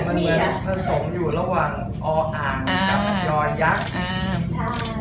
มันเหมือนผสมอยู่ระหว่างออ่างกับดอยักษ์